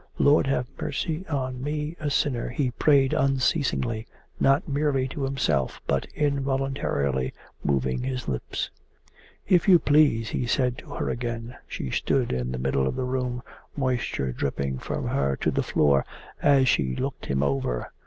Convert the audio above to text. Lord, have mercy on me a sinner!' he prayed unceasingly, not merely to himself but involuntarily moving his lips. 'If you please!' he said to her again. She stood in the middle of the room, moisture dripping from her to the floor as she looked him over.